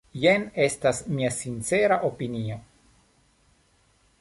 Jen estas mia sincera opinio.